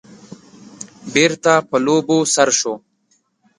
بېرته په لوبو سر شو.